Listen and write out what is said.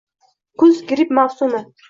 Kuz – gripp mavsuming